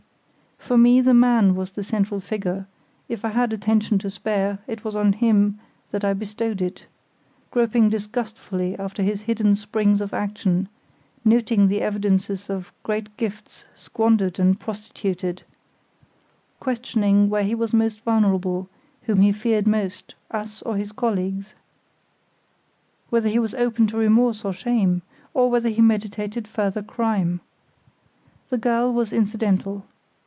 For me the man was the central figure; if I had attention to spare it was on him that I bestowed it; groping disgustfully after his hidden springs of action, noting the evidences of great gifts squandered and prostituted; questioning where he was most vulnerable; whom he feared most, us or his colleagues; whether he was open to remorse or shame; or whether he meditated further crime. The girl was incidental.